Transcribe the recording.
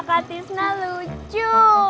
kakak tisna lucu